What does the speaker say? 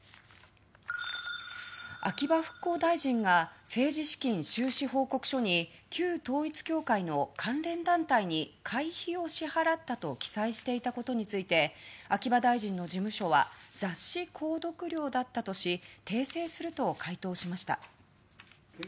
秋葉復興大臣が政治資金収支報告書に旧統一教会の関連団体に会費を支払ったと記載していたことについて秋葉大臣の事務所は雑誌購読料だったとし訂正すると回答しました。